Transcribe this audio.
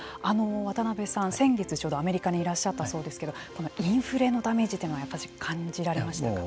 渡辺さん、先月ちょうどアメリカにいらっしゃったそうですけどこのインフレのダメージはやっぱり感じられましたか。